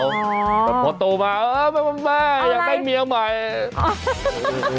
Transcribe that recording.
แต่พอโตมาเออแม่อยากได้เมียใหม่